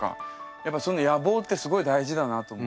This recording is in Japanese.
やっぱその野望ってすごい大事だなと思います。